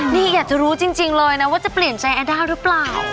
นี่อยากจะรู้จริงเลยนะว่าจะเปลี่ยนใจแอด้าหรือเปล่า